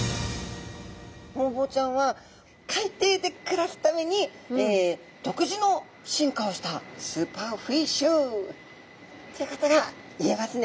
ホウボウちゃんは海底で暮らすために独自の進化をしたスーパーフィッシュということが言えますね。